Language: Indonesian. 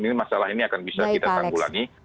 ini masalah ini akan bisa kita tanggulangi